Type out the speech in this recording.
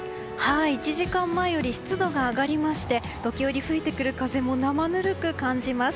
１時間前より湿度が上がりまして時折、吹いてくる風も生ぬるく感じます。